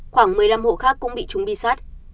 khoảng một mươi năm hộ khác cũng bị trúng bi sắt